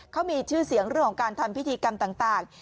เขามีชื่อเสียงเรื่องของการทำพิธีกรรมต่าง